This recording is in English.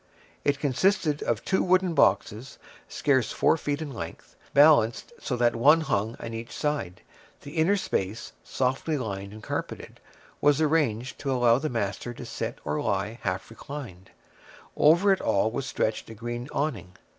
It consisted of two wooden boxes, scarce four feet in length, balanced so that one hung at each side; the inner space, softly lined and carpeted, was arranged to allow the master to sit or lie half reclined; over it all was stretched a green awning.